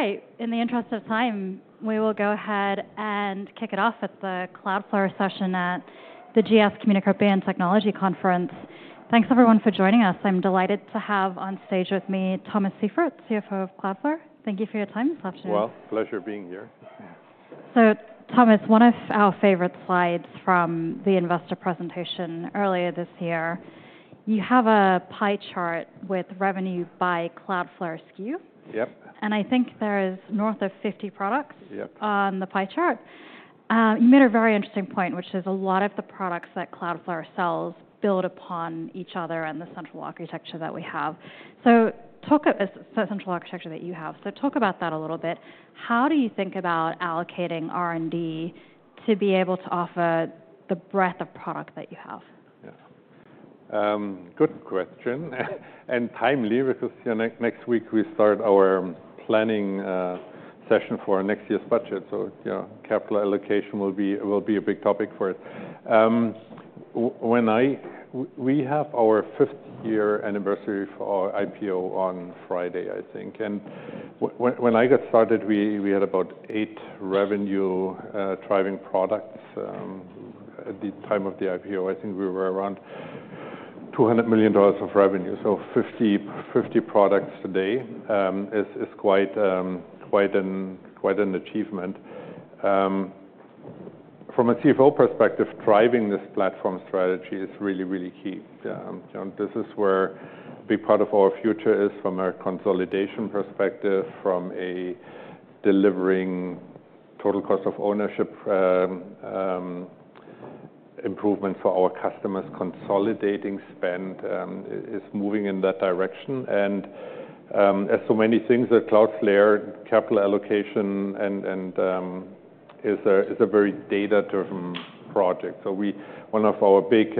All right, in the interest of time, we will go ahead and kick it off at the Cloudflare session at the GS Communacopia and Technology Conference. Thanks everyone for joining us. I'm delighted to have on stage with me, Thomas Seifert, CFO of Cloudflare. Thank you for your time this afternoon. Well, pleasure being here. Thomas, one of our favorite slides from the investor presentation earlier this year, you have a pie chart with revenue by Cloudflare SKU. Yep. I think there is north of 50 products Yep On the pie chart. You made a very interesting point, which is a lot of the products that Cloudflare sells build upon each other and the central architecture that we have. So talk about this central architecture that you have a little bit. How do you think about allocating R&D to be able to offer the breadth of product that you have? Yeah. Good question, and timely, because, you know, next week we start our planning session for next year's budget. So, you know, capital allocation will be a big topic for it. We have our fifth year anniversary for our IPO on Friday, I think, and when I got started, we had about eight revenue driving products. At the time of the IPO, I think we were around $200 million of revenue. So 50 products today is quite an achievement. From a CFO perspective, driving this platform strategy is really key, and this is where a big part of our future is from a consolidation perspective, from a delivering total cost of ownership improvement for our customers. Consolidating spend is moving in that direction. And as so many things at Cloudflare, capital allocation and is a very data-driven project. So one of our big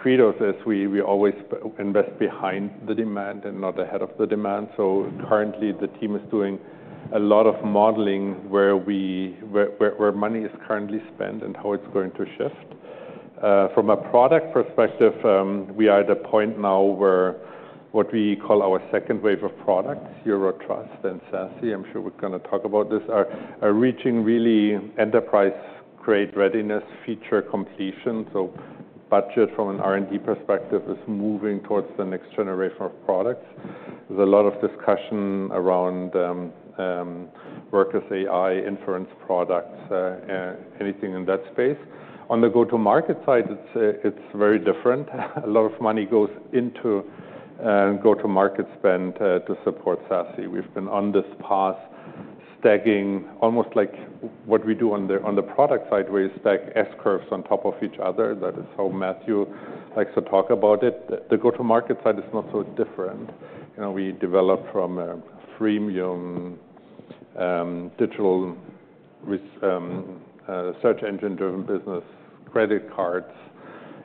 credos is we always invest behind the demand and not ahead of the demand. So currently, the team is doing a lot of modeling where money is currently spent and how it's going to shift. From a product perspective, we are at a point now where what we call our second wave of products, Zero Trust and SASE, I'm sure we're gonna talk about this, are reaching really enterprise-grade readiness, feature completion. So budget from an R&D perspective is moving towards the next generation of products. There's a lot of discussion around Workers AI, inference products, anything in that space. On the go-to-market side, it's very different. A lot of money goes into go-to-market spend to support SASE. We've been on this path, stacking almost like what we do on the product side, we stack S-curves on top of each other. That is how Matthew likes to talk about it. The go-to-market side is not so different. You know, we develop from a freemium digital with search engine-driven business, credit cards,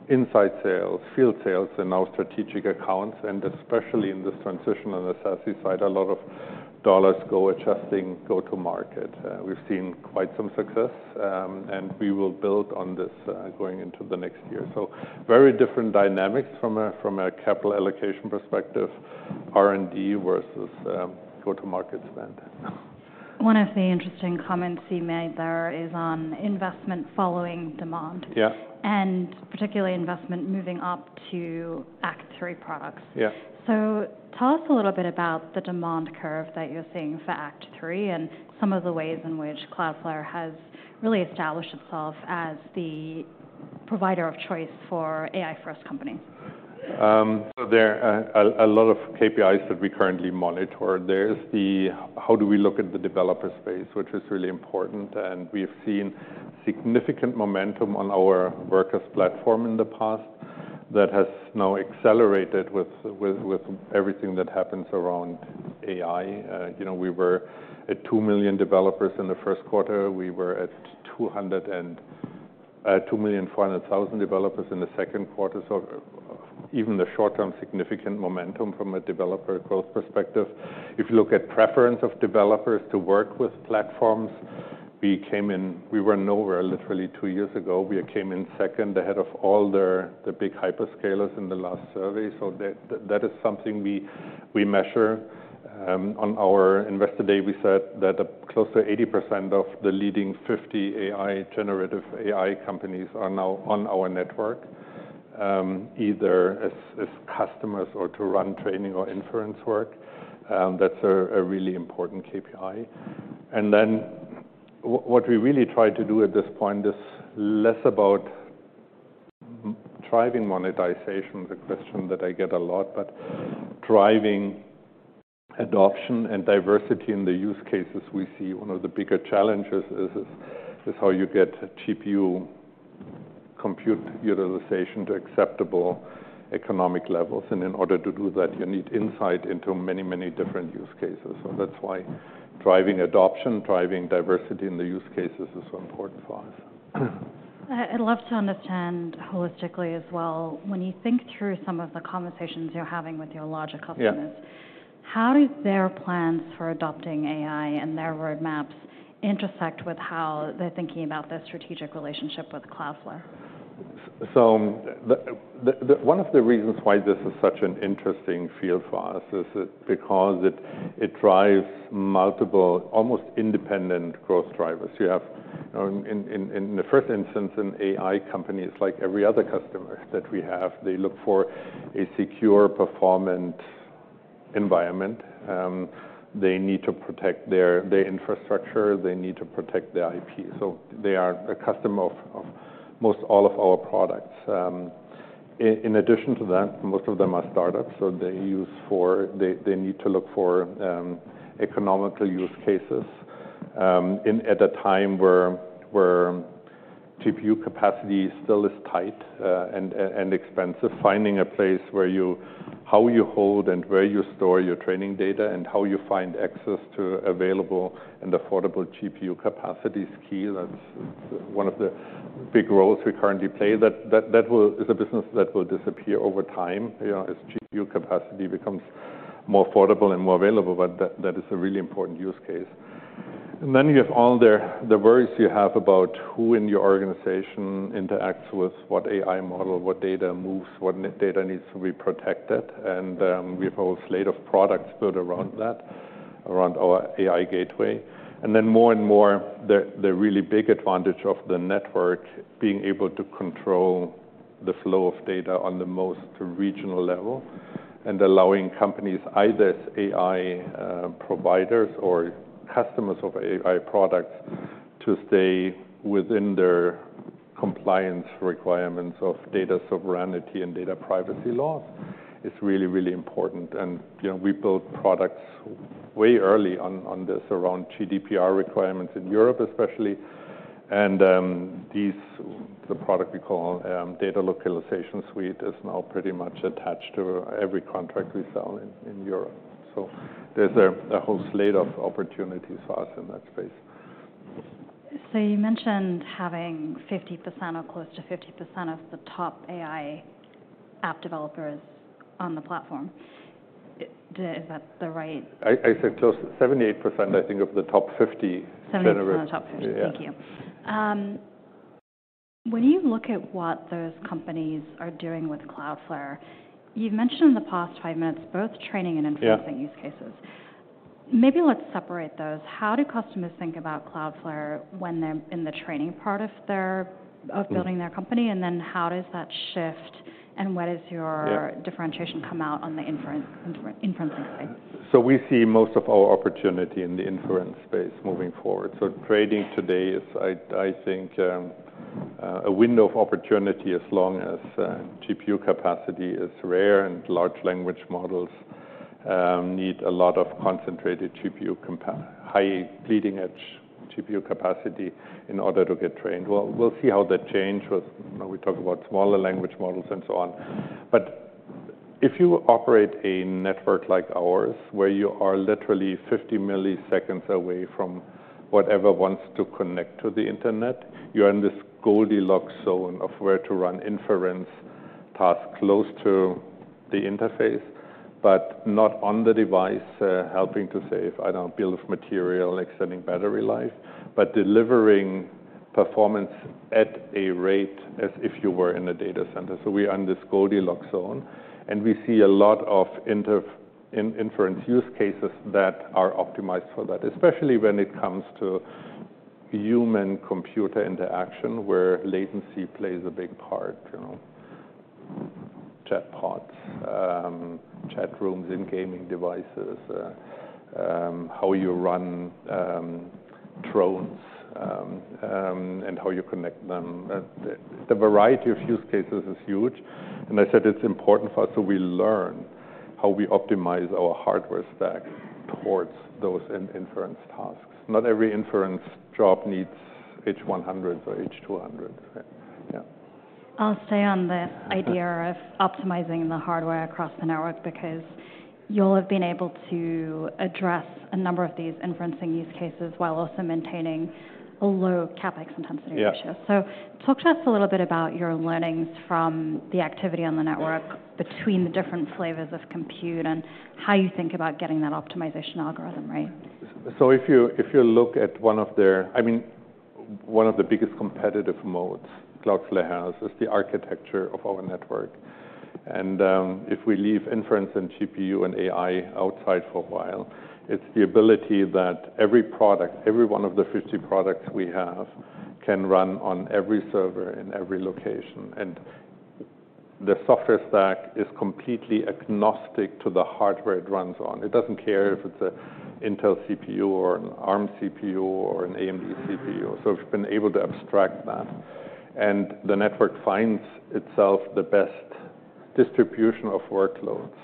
inside sales, field sales, and now strategic accounts, and especially in this transition on the SASE side, a lot of dollars go adjusting go-to-market. We've seen quite some success, and we will build on this going into the next year. So very different dynamics from a capital allocation perspective, R&D versus go-to-market spend. One of the interesting comments you made there is on investment following demand. Yeah. Particularly investment moving up to Act Three products. Yeah. So tell us a little bit about the demand curve that you're seeing for Act Three and some of the ways in which Cloudflare has really established itself as the provider of choice for AI-first company? There are a lot of KPIs that we currently monitor. There is the how do we look at the developer space, which is really important, and we have seen significant momentum on our Workers platform in the past that has now accelerated with everything that happens around AI. You know, we were at two million developers in the Q1. We were at two million four hundred thousand developers in the Q2. So even the short-term significant momentum from a developer growth perspective. If you look at preference of developers to work with platforms, we came in. We were nowhere literally two years ago. We came in second ahead of all the big hyperscalers in the last survey. So that is something we measure. On our Investor Day, we said that close to 80% of the leading 50 AI, generative AI companies are now on our network, either as customers or to run training or inference work. That's a really important KPI. And then, what we really try to do at this point is less about driving monetization, the question that I get a lot, but driving adoption and diversity in the use cases we see. One of the bigger challenges is how you get GPU compute utilization to acceptable economic levels, and in order to do that, you need insight into many, many different use cases. So that's why driving adoption, driving diversity in the use cases is so important for us. I'd love to understand holistically as well, when you think through some of the conversations you're having with your larger customers. Yeah. How do their plans for adopting AI and their roadmaps intersect with how they're thinking about the strategic relationship with Cloudflare? So the one of the reasons why this is such an interesting field for us is because it drives multiple, almost independent growth drivers. You have, in the first instance, an AI company is like every other customer that we have. They look for a secure performance environment. They need to protect their infrastructure, they need to protect their IP. So they are a customer of most all of our products. In addition to that, most of them are startups, so they need to look for economical use cases, at a time where GPU capacity still is tight, and expensive. Finding a place where how you hold and where you store your training data, and how you find access to available and affordable GPU capacity is key. That's one of the big roles we currently play. That is a business that will disappear over time, you know, as GPU capacity becomes more affordable and more available, but that is a really important use case. And then you have all the worries you have about who in your organization interacts with what AI model, what data moves, what data needs to be protected, and we have a whole slate of products built around that, around our AI Gateway. And then more and more, the really big advantage of the network being able to control the flow of data on the most regional level, and allowing companies, either as AI providers or customers of AI products, to stay within their compliance requirements of data sovereignty and data privacy laws, is really, really important. And, you know, we built products way early on, on this around GDPR requirements in Europe, especially. And, the product we call Data Localization Suite is now pretty much attached to every contract we sell in Europe. So there's a whole slate of opportunities for us in that space. So you mentioned having 50% or close to 50% of the top AI app developers on the platform. Is that the right- I said close to 78%, I think, of the top 50. 70% of the top 50. Yeah. Thank you. When you look at what those companies are doing with Cloudflare, you've mentioned in the past five minutes, both training and inferencing Yeah. Use cases. Maybe let's separate those. How do customers think about Cloudflare when they're in the training part of their of building their company? And then how does that shift, and what is your Yeah. Differentiation come out on the inference side? So we see most of our opportunity in the inference space moving forward. Training today is, I think, a window of opportunity as long as GPU capacity is rare and large language models need a lot of concentrated GPU high leading-edge GPU capacity in order to get trained. We'll see how that change with when we talk about smaller language models and so on. But if you operate a network like ours, where you are literally 50 milliseconds away from whatever wants to connect to the internet, you're in this Goldilocks zone of where to run inference tasks close to the interface, but not on the device, helping to save, I don't know, bill of material, extending battery life, but delivering performance at a rate as if you were in a data center. So we're in this Goldilocks zone, and we see a lot of inference use cases that are optimized for that, especially when it comes to human-computer interaction, where latency plays a big part, you know. Chatbots, chat rooms in gaming devices, how you run drones, and how you connect them. The variety of use cases is huge, and I said it's important for us, so we learn how we optimize our hardware stack towards those inference tasks. Not every inference job needs H100 or H200. Yeah. I'll stay on the idea of optimizing the hardware across the network, because you all have been able to address a number of these inference use cases while also maintaining a low CapEx intensity ratio. Yeah. So talk to us a little bit about your learnings from the activity on the network between the different flavors of compute, and how you think about getting that optimization algorithm right? So if you look at one of the... I mean, one of the biggest competitive moats Cloudflare has is the architecture of our network. And, if we leave inference and GPU and AI outside for a while, it's the ability that every product, every one of the 50 products we have, can run on every server in every location, and the software stack is completely agnostic to the hardware it runs on. It doesn't care if it's an Intel CPU or an Arm CPU or an AMD CPU. So we've been able to abstract that, and the network finds itself the best distribution of workloads,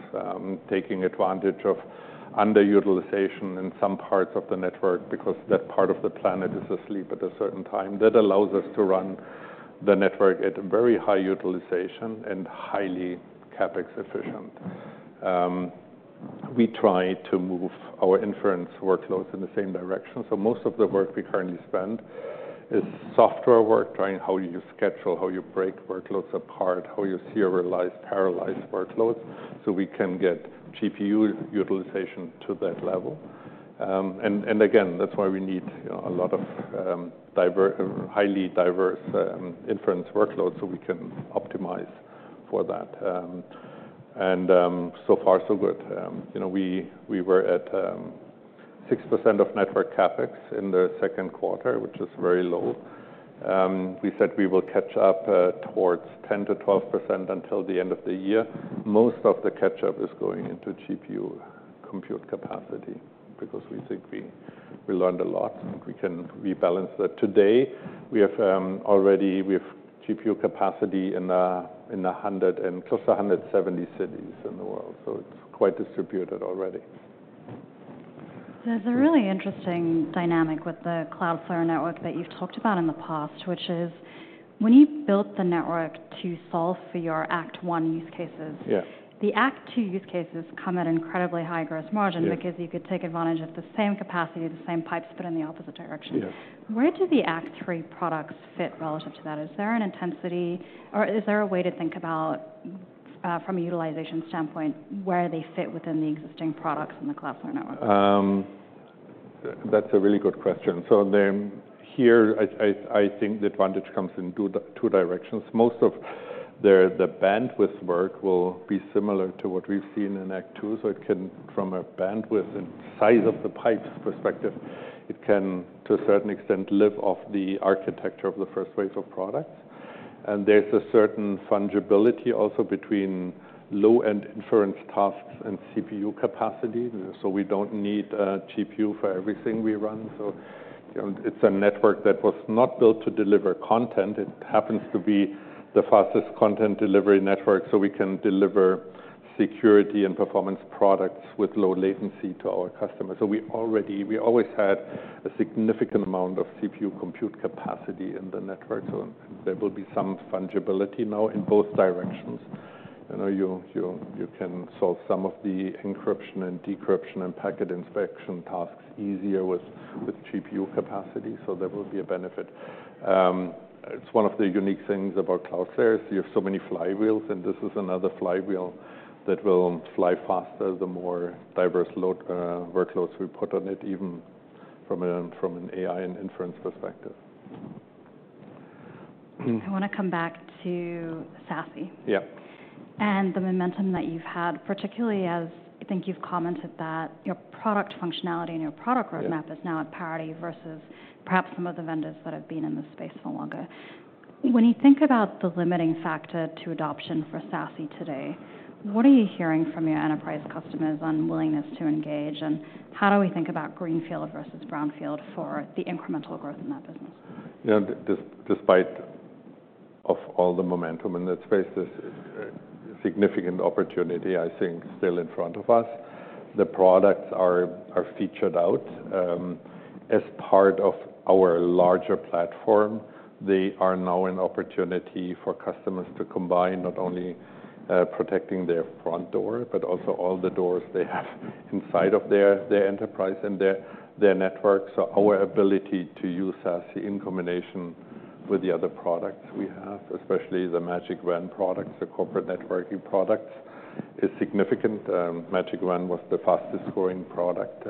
taking advantage of underutilization in some parts of the network, because that part of the planet is asleep at a certain time. That allows us to run the network at a very high utilization and highly CapEx efficient. We try to move our inference workloads in the same direction, so most of the work we currently. It's software work, trying how you schedule, how you break workloads apart, how you serialize, parallelize workloads so we can get GPU utilization to that level. And again, that's why we need a lot of highly diverse inference workloads so we can optimize for that. So far so good. You know, we were at 6% of network CapEx in the Q2, which is very low. We said we will catch up towards 10%-12% until the end of the year. Most of the catch up is going into GPU compute capacity because we think we learned a lot, and we can rebalance that. Today, we already have GPU capacity in 100 and close to 170 cities in the world, so it's quite distributed already. There's a really interesting dynamic with the Cloudflare network that you've talked about in the past, which is when you built the network to solve for your Act One use cases. Yes. The Act Two use cases come at incredibly high gross margin. Yes Because you could take advantage of the same capacity, the same pipes, but in the opposite direction. Yes. Where do the Act Three products fit relative to that? Is there an intensity or is there a way to think about, from a utilization standpoint, where they fit within the existing products in the Cloudflare network? That's a really good question. So then here, I think the advantage comes in two directions. Most of the bandwidth work will be similar to what we've seen in Act Two, so from a bandwidth and size of the pipes perspective, it can, to a certain extent, live off the architecture of the first wave of products. And there's a certain fungibility also between low-end inference tasks and CPU capacity, so we don't need a GPU for everything we run. So, you know, it's a network that was not built to deliver content. It happens to be the fastest content delivery network, so we can deliver security and performance products with low latency to our customers. We always had a significant amount of CPU compute capacity in the network, so there will be some fungibility now in both directions. I know you can solve some of the encryption and decryption and packet inspection tasks easier with GPU capacity, so there will be a benefit. It's one of the unique things about Cloudflare is you have so many flywheels, and this is another flywheel that will fly faster the more diverse load workloads we put on it, even from an AI and inference perspective. I want to come back to SASE. Yeah. And the momentum that you've had, particularly as I think you've commented that your product functionality and your product- Yeah. Roadmap is now at parity versus perhaps some of the vendors that have been in this space for longer. When you think about the limiting factor to adoption for SASE today, what are you hearing from your enterprise customers on willingness to engage, and how do we think about greenfield versus brownfield for the incremental growth in that business? Yeah, despite of all the momentum, and let's face this, significant opportunity, I think, still in front of us, the products are featured out. As part of our larger platform, they are now an opportunity for customers to combine not only protecting their front door, but also all the doors they have inside of their enterprise and their network. So our ability to use SASE in combination with the other products we have, especially the Magic WAN products, the corporate networking products, is significant. Magic WAN was the fastest growing product,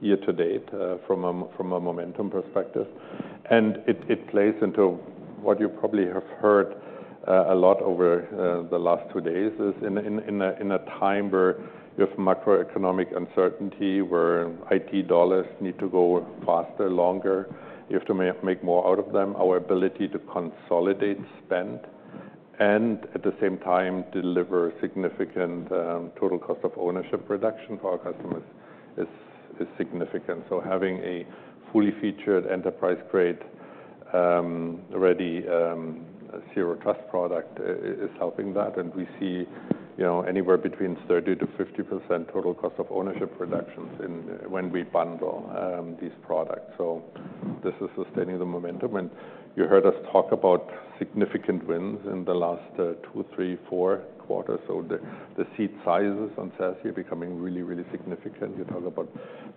year to date, from a momentum perspective. And it plays into what you probably have heard a lot over the last two days: in a time where you have macroeconomic uncertainty, where IT dollars need to go faster, longer, you have to make more out of them. Our ability to consolidate spend, and at the same time, deliver significant total cost of ownership reduction for our customers is significant. So having a fully featured enterprise-grade ready Zero Trust product is helping that, and we see, you know, anywhere between 30%-50% total cost of ownership reductions when we bundle these products. So this is sustaining the momentum, and you heard us talk about significant wins in the last two, three, four quarters. So the seat sizes on SASE are becoming really, really significant. You talk about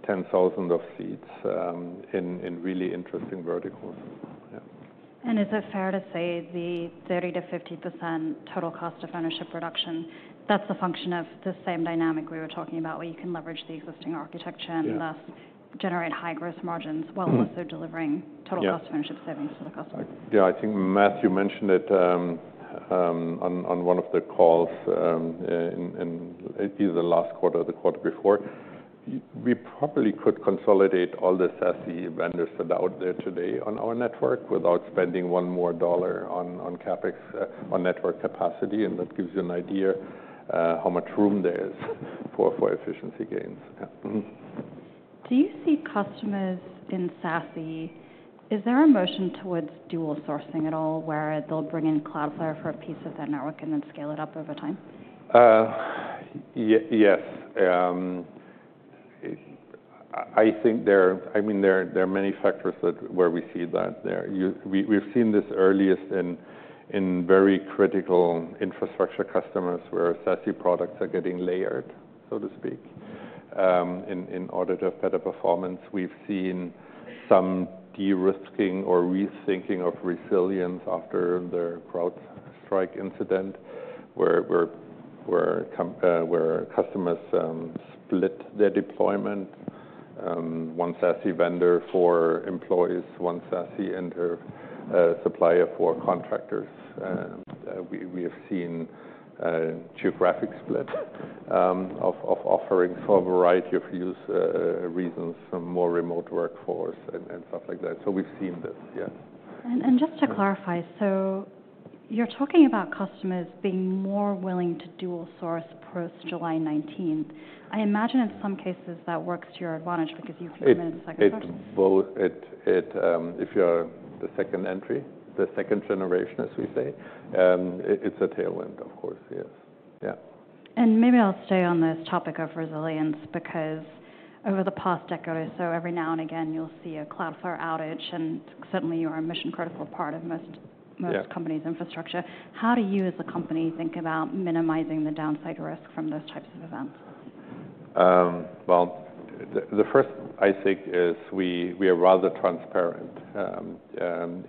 tens of thousands of seats in really interesting verticals. Yeah. Is it fair to say the 30%-50% total cost of ownership reduction, that's a function of the same dynamic we were talking about, where you can leverage the existing architecture. Yes And thus generate high growth margin while also delivering total cost Yeah. Ownership savings to the customer? Yeah, I think Matthew mentioned it on one of the calls in either the last quarter or the quarter before. We probably could consolidate all the SASE vendors that are out there today on our network without spending one more dollar on CapEx on network capacity, and that gives you an idea how much room there is for efficiency gains. Yeah. Do you see customers in SASE? Is there a motion towards dual sourcing at all, where they'll bring in Cloudflare for a piece of their network and then scale it up over time? Yes. I think there are many factors where we see that there. We have seen this earliest in very critical infrastructure customers, where SASE products are getting layered, so to speak, in order to have better performance. We have seen some de-risking or rethinking of resilience after the CrowdStrike incident, where customers split their deployment. One SASE vendor for employees, one SASE and a supplier for contractors. We have seen geographic split of offering for a variety of use reasons, from more remote workforce and stuff like that. So we have seen this, yeah. Just to clarify, so you're talking about customers being more willing to dual source post July nineteenth. I imagine in some cases, that works to your advantage because you come in as a second person. If you're the second entry, the second generation, as we say, it's a tailwind, of course, yes. Yeah. And maybe I'll stay on this topic of resilience, because over the past decade or so, every now and again, you'll see a Cloudflare outage, and suddenly you are a mission-critical part of most- Yeah. Most companies' infrastructure. How do you, as a company, think about minimizing the downside risk from those types of events? The first, I think, is we are rather transparent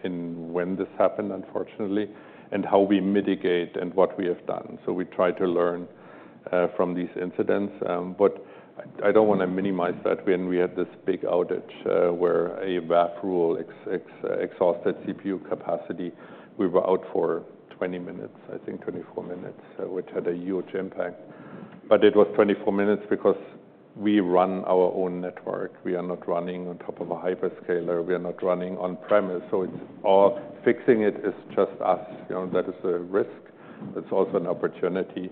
in when this happened, unfortunately, and how we mitigate and what we have done. We try to learn from these incidents. I don't want to minimize that when we had this big outage, where a WAF rule exhausted CPU capacity, we were out for 20 minutes, I think 24 minutes, which had a huge impact. It was 24 minutes because we run our own network. We are not running on top of a hyperscaler, we are not running on-premises, so it's all... Fixing it is just us. You know, that is a risk, but it's also an opportunity,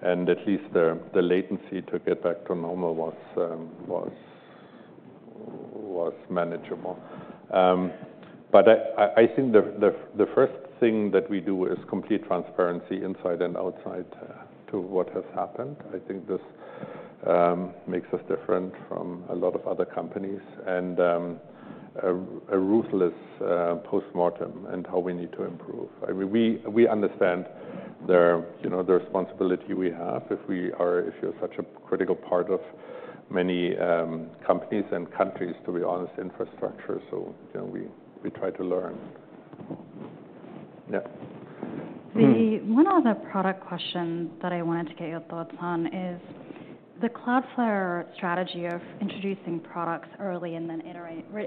and at least the latency to get back to normal was manageable. I think the first thing that we do is complete transparency, inside and outside, to what has happened. I think this makes us different from a lot of other companies, and a ruthless postmortem on how we need to improve. I mean, we understand you know the responsibility we have if you're such a critical part of many companies and countries, to be honest, infrastructure. You know, we try to learn. Yeah. The one other product question that I wanted to get your thoughts on is the Cloudflare strategy of introducing products early and then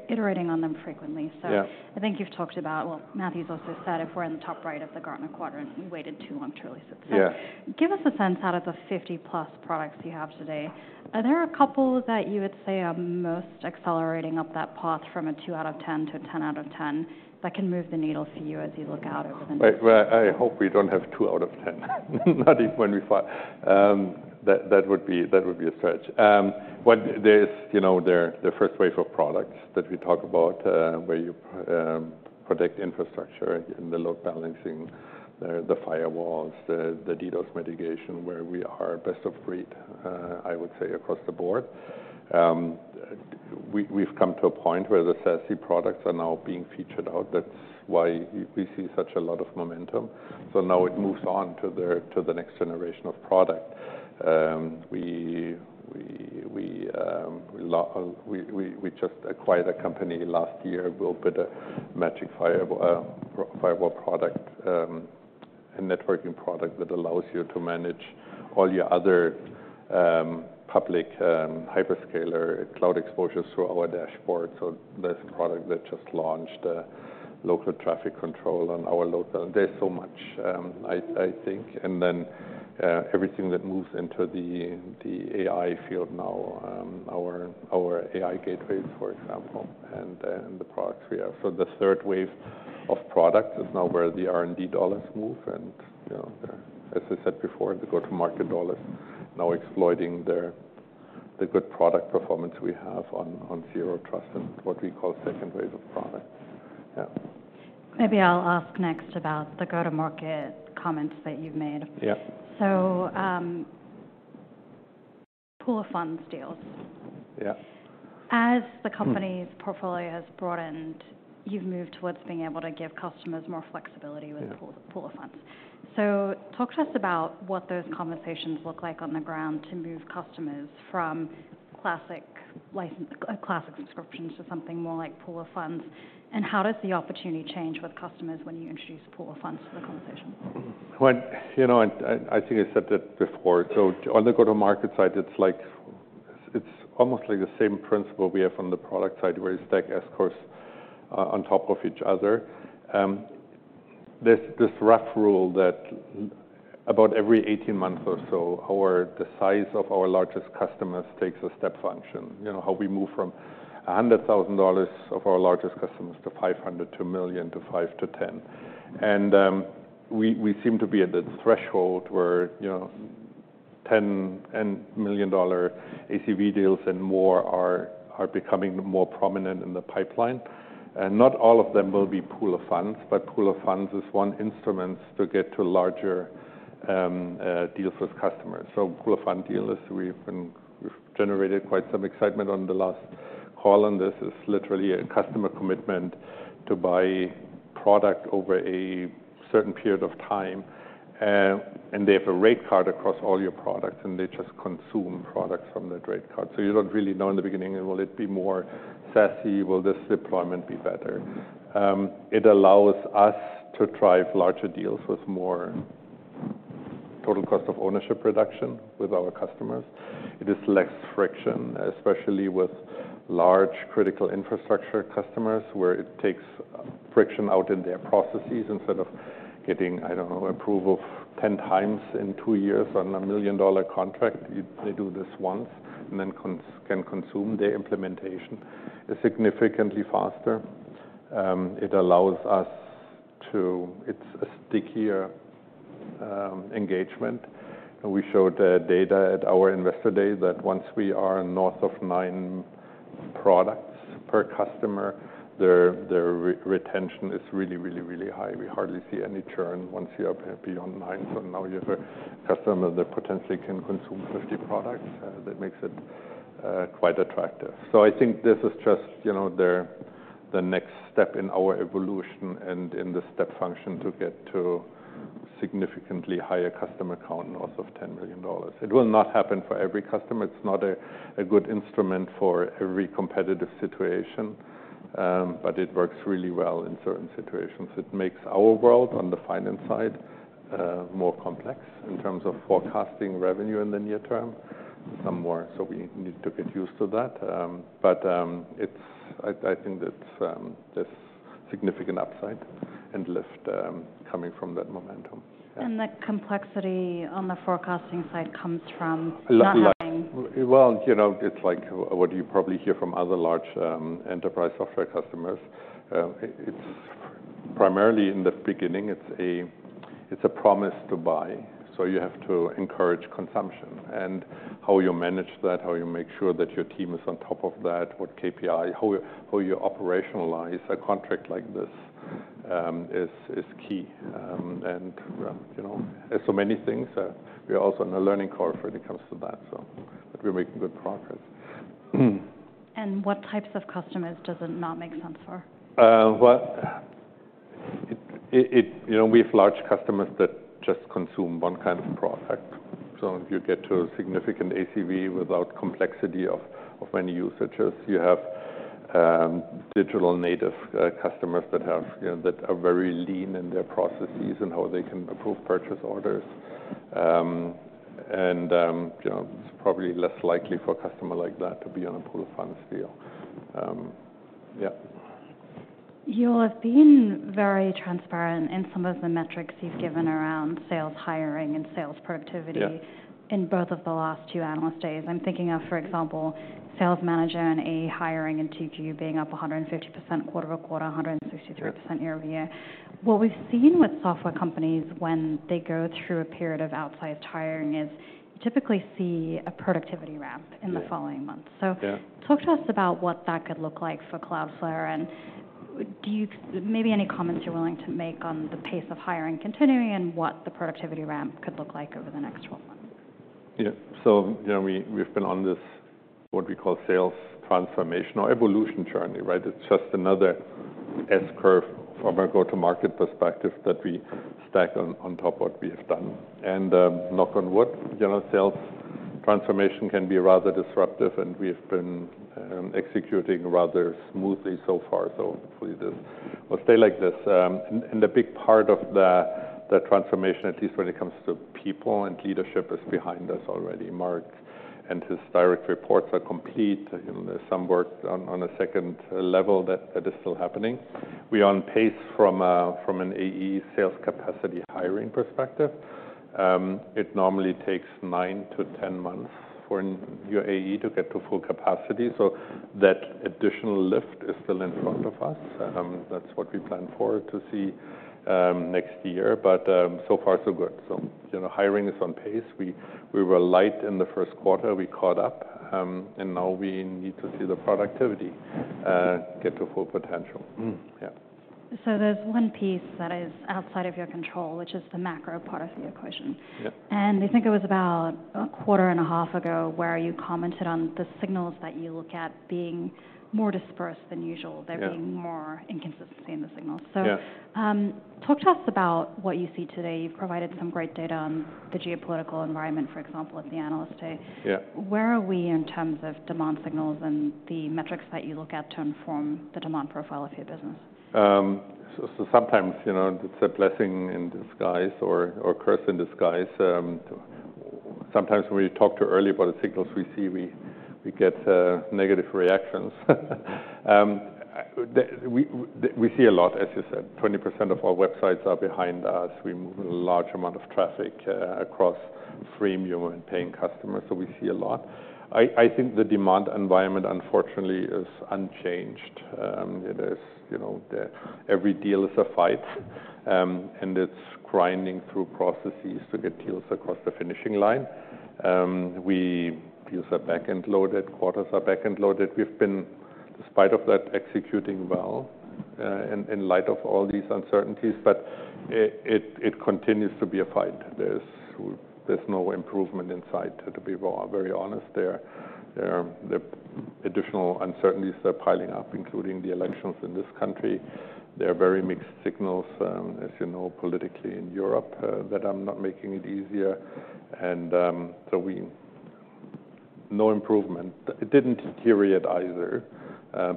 iterating on them frequently. Yeah. So I think you've talked about... Well, Matthew's also said, if we're in the top right of the Gartner quadrant, we waited too long to release it. Yeah. So give us a sense, out of the 50-plus products you have today, are there a couple that you would say are most accelerating up that path from a 2 out of 10 to a 10 out of 10, that can move the needle for you as you look out over the next? I hope we don't have two out of ten, not even when we file. That would be a stretch. But there is, you know, the first wave of products that we talk about, where you protect infrastructure in the load balancing, the firewalls, the DDoS mitigation, where we are best of breed, I would say, across the board. We've come to a point where the SASE products are now being featured out. That's why we see such a lot of momentum. Now it moves on to the next generation of product. We just acquired a company last year with a bit of Magic Firewall, firewall product, a networking product that allows you to manage all your other public hyperscaler cloud exposures through our dashboard. So there's a product that just launched a local traffic control on our. There's so much, I think. And then everything that moves into the AI field now, our AI Gateways, for example, and the products we have. So the third wave of products is now where the R&D dollars move and, you know, as I said before, the go-to-market dollars. Now exploiting the good product performance we have on Zero Trust and what we call second wave of products. Yeah. Maybe I'll ask next about the go-to-market comments that you've made. Yeah. Pool of Funds deals. Yeah. As the company's portfolio has broadened, you've moved towards being able to give customers more flexibility Yeah. With pool, Pool of Funds. So talk to us about what those conversations look like on the ground to move customers from classic license, classic subscriptions to something more like Pool of Funds, and how does the opportunity change with customers when you introduce Pool of Funds to the conversation? You know, and I think I said it before, so on the go-to-market side, it's like... It's almost like the same principle we have on the product side, where you stack S-curves on top of each other. This rough rule that about every eighteen months or so, the size of our largest customers takes a step function. You know, how we move from $100,000 of our largest customers to $500,000, to $1 million, to $5 million, to $10 million. And we seem to be at the threshold where, you know, $10 million and million-dollar ACV deals and more are becoming more prominent in the pipeline. And not all of them will be Pool of Funds, but Pool of Funds is one instrument to get to larger deals with customers. Pool of Funds deals. We've generated quite some excitement on the last call. This is literally a customer commitment to buy product over a certain period of time. And they have a rate card across all your products, and they just consume products from that rate card. So you don't really know in the beginning, will it be more SASE? Will this deployment be better? It allows us to drive larger deals with more total cost of ownership reduction with our customers. It is less friction, especially with large, critical infrastructure customers, where it takes friction out in their processes instead of getting, I don't know, approval 10 times in two years on a $1 million contract. They do this once and then can consume the implementation significantly faster. It allows us to. It's a stickier engagement. We showed the data at our Investor Day, that once we are north of nine products per customer, their retention is really, really, really high. We hardly see any churn once you are beyond nine. So now you have a customer that potentially can consume 50 products, that makes it quite attractive. So I think this is just, you know, the next step in our evolution and in the step function to get to significantly higher customer count, north of $10 million. It will not happen for every customer. It's not a good instrument for every competitive situation, but it works really well in certain situations. It makes our world, on the finance side, more complex in terms of forecasting revenue in the near term, some more. So we need to get used to that. But I think that there's significant upside and lift coming from that momentum. And the complexity on the forecasting side comes from not having Well, you know, it's like what you probably hear from other large enterprise software customers. It's primarily in the beginning, it's a promise to buy, so you have to encourage consumption. And how you manage that, how you make sure that your team is on top of that, what KPI, how you operationalize a contract like this, is key. And you know, so many things, we are also in a learning curve when it comes to that, so but we're making good progress. What types of customers does it not make sense for? Well, you know, we have large customers that just consume one kind of product. So you get to a significant ACV without complexity of many usages. You have digital native customers that have, you know, that are very lean in their processes and how they can approve purchase orders, and you know, it's probably less likely for a customer like that to be on a Pool of Funds deal. Yep. You have been very transparent in some of the metrics you've given around sales, hiring, and sales productivity. Yeah. In both of the last two Analyst Days. I'm thinking of, for example, sales manager and AE hiring in 2Q being up 150% quarter over quarter, 163% year over year. Yeah. What we've seen with software companies when they go through a period of outsized hiring is, you typically see a productivity ramp Yeah. In the following months. Yeah. So talk to us about what that could look like for Cloudflare, and do you maybe any comments you're willing to make on the pace of hiring continuing and what the productivity ramp could look like over the next twelve months? Yeah. So, you know, we, we've been on this, what we call sales transformation or evolution journey, right? It's just another S-curve from a go-to-market perspective that we stack on top of what we have done. And, knock on wood, you know, sales transformation can be rather disruptive, and we've been executing rather smoothly so far, so hopefully this will stay like this. And the big part of the transformation, at least when it comes to people and leadership, is behind us already. Mark and his direct reports are complete. There's some work on a second level that is still happening. We are on pace from an AE sales capacity hiring perspective. It normally takes nine to ten months for your AE to get to full capacity, so that additional lift is still in front of us. That's what we plan for to see next year. But so far, so good. So, you know, hiring is on pace. We were light in the Q1. We caught up, and now we need to see the productivity get to full potential. So there's one piece that is outside of your control, which is the macro part of the equation. Yeah. I think it was about a quarter and a half ago where you commented on the signals that you look at being more dispersed than usual. Yeah. There being more inconsistency in the signals. Yeah. Talk to us about what you see today. You've provided some great data on the geopolitical environment, for example, at the Analyst Day. Yeah. Where are we in terms of demand signals and the metrics that you look at to inform the demand profile of your business? So sometimes, you know, it's a blessing in disguise or curse in disguise. Sometimes when we talk too early about the signals we see, we get negative reactions. We see a lot, as you said, 20% of all websites are behind us. We move a large amount of traffic across freemium and paying customers, so we see a lot. I think the demand environment, unfortunately, is unchanged. It is, you know, every deal is a fight, and it's grinding through processes to get deals across the finishing line. Deals are back-end loaded, quarters are back-end loaded. We've been, in spite of that, executing well. In light of all these uncertainties, but it continues to be a fight. There's no improvement in sight, to be very honest. There, the additional uncertainties are piling up, including the elections in this country. There are very mixed signals, as you know, politically in Europe, that are not making it easier. And, no improvement. It didn't deteriorate either,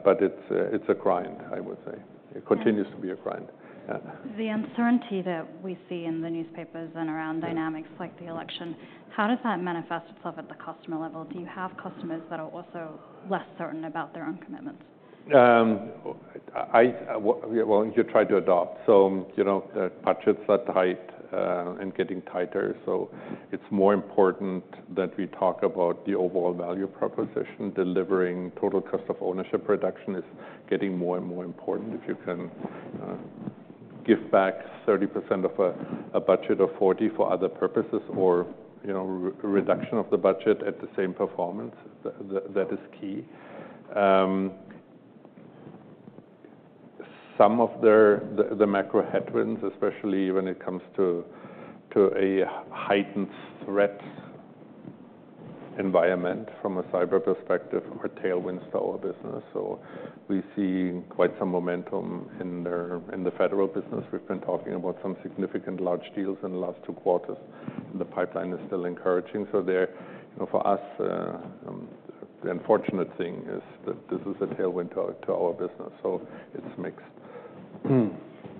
but it's a grind, I would say. It continues to be a grind. Yeah. The uncertainty that we see in the newspapers and around dynamics Yeah. Like the election, how does that manifest itself at the customer level? Do you have customers that are also less certain about their own commitments? Well, you try to adapt. So, you know, the budgets are tight, and getting tighter, so it's more important that we talk about the overall value proposition. Delivering total cost of ownership reduction is getting more and more important. If you can give back 30% of a budget or 40% for other purposes or, you know, reduction of the budget at the same performance, that is key. Some of the macro headwinds, especially when it comes to a heightened threat environment from a cyber perspective, are tailwinds to our business. So we see quite some momentum in the federal business. We've been talking about some significant large deals in the last two quarters. The pipeline is still encouraging, so you know, for us, the unfortunate thing is that this is a tailwind to our business, so it's mixed.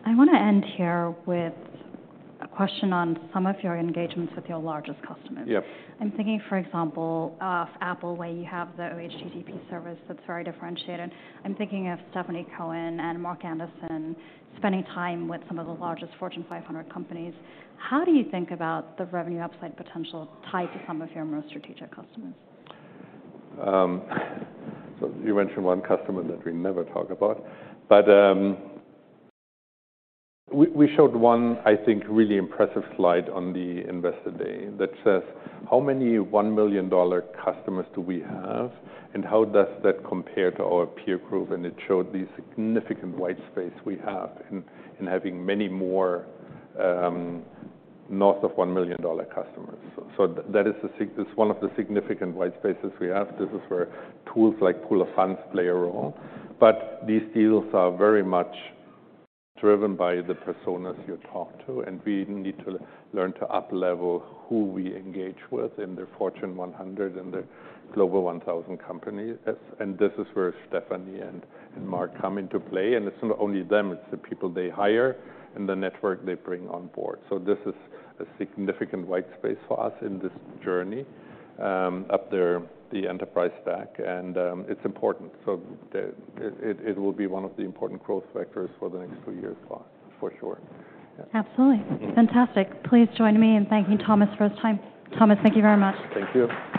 I want to end here with a question on some of your engagements with your largest customers. Yes. I'm thinking, for example, of Apple, where you have the OHTTP service that's very differentiated. I'm thinking of Stephanie Cohen and Mark Anderson spending time with some of the largest Fortune 500 companies. How do you think about the revenue upside potential tied to some of your most strategic customers? So you mentioned one customer that we never talk about. But we showed one, I think, really impressive slide on the Investor Day that says, "How many $1 million customers do we have, and how does that compare to our peer group?" And it showed the significant white space we have in having many more north of $1 million customers. So that is that's one of the significant white spaces we have. This is where tools like Pool of Funds play a role. But these deals are very much driven by the personas you talk to, and we need to learn to uplevel who we engage with in the Fortune 100 and the Global 1000 companies. And this is where Stephanie and Mark come into play. And it's not only them, it's the people they hire and the network they bring on board. So this is a significant white space for us in this journey up the enterprise stack, and it's important. So it will be one of the important growth vectors for the next two years for us, for sure. Absolutely. Fantastic. Please join me in thanking Thomas for his time. Thomas, thank you very much. Thank you.